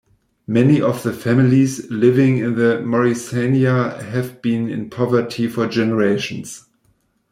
Many of the families living in Morrisania have been in poverty for generations.